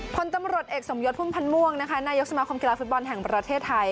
พลตำรวจเอกสมยศพุ่มพันธ์ม่วงนะคะนายกสมาคมกีฬาฟุตบอลแห่งประเทศไทย